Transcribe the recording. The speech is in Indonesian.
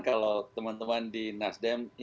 kalau teman teman di nasdem